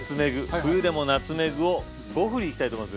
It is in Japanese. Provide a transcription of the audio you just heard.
冬でもナツメグを５ふりいきたいと思います！